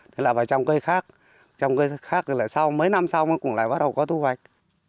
thế là phải trồng cây khác trồng cây khác là sau mấy năm sau cũng lại bắt đầu có thu hoạch